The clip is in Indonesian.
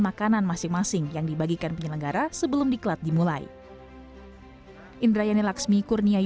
makanan masing masing yang dibagikan penyelenggara sebelum di klat dimulai